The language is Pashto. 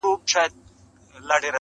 رښتيا هم دا دي